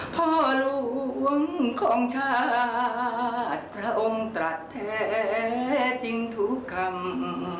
พ่อหลวงของชาติพระองค์ตรัสแท้จริงทุกคำ